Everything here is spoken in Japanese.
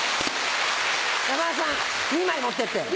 山田さん２枚持ってって。